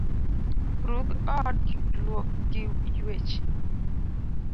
Rudh od luok gi ywech